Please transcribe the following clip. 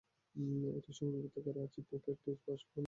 এটি সংরক্ষিত করা আছে পোপের নিজ বাসভবনে।